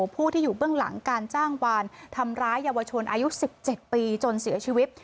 ผู้ที่อยู่เบื้องหลังการจ้างวานทำร้ายเยาวชนอายุ๑๗ปีจนเสียชีวิต